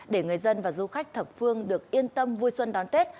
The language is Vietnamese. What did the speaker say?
để người dân và du khách thập phương được yên tâm vui xuân đón tết